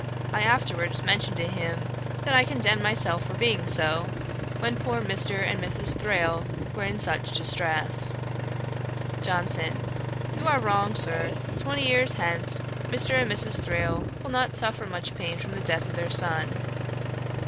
I afterwards mentioned to him that I condemned myself for being so, when poor Mr. and Mrs. Thrale were in such distress. JOHNSON. 'You are wrong, Sir; twenty years hence Mr. and Mrs. Thrale will not suffer much pain from the death of their son.